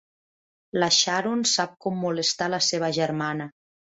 La Sharon sap com molestar la seva germana.